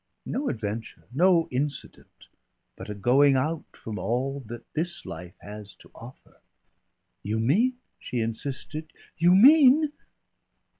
"No adventure, no incident, but a going out from all that this life has to offer." "You mean," she insisted, "you mean